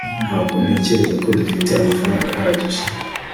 ntabwo ntekereza ko dufite amafaranga ahagije